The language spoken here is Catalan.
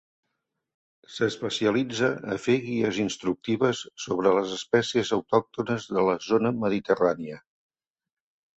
S’especialitza a fer guies instructives sobre les espècies autòctones de la zona mediterrània.